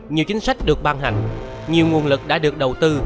nhiều chính sách được ban hành nhiều nguồn lực đã được đầu tư